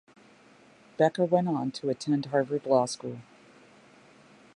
Becker went on to attend Harvard Law School.